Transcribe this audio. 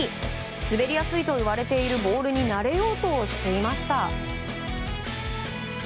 滑りやすいといわれているボールに慣れようとしていました。